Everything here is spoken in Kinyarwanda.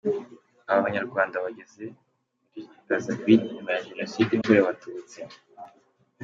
Aba Banyarwanda bageze muri Brazaville nyuma ya Jenoside yakorewe Abatutsi.